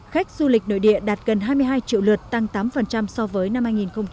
khách du lịch nội địa đạt gần hai mươi hai triệu lượt tăng tám so với năm hai nghìn một mươi tám